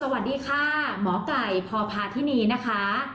สวัสดีค่ะหมอไก่พพาธินีนะคะ